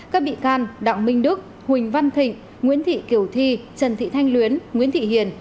các bị can đặng minh đức huỳnh văn thịnh nguyễn thị kiều thi trần thị thanh luyến nguyễn thị hiền